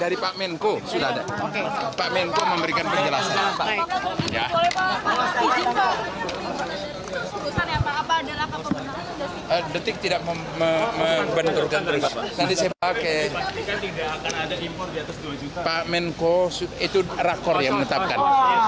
itu rakor yang menetapkan